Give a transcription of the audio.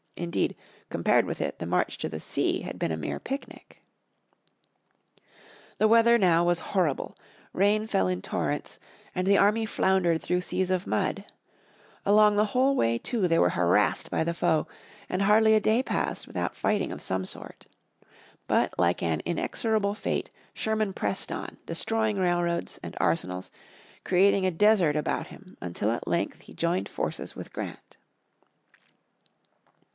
Indeed, compared with it, the march to the sea had been a mere picnic. The weather now was horrible. Rain fell in torrents, and the army floundered through seas of mud. Along the whole way too they were harassed by the foe, and hardly a day passed without fighting of some sort. But, like an inexorable fate, Sherman pressed on, destroying railroads, and arsenals, creating a desert about him until at length he joined forces with Grant.